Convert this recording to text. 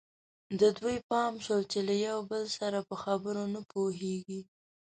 د دوی پام شول چې له یو بل سره په خبرو نه پوهېږي.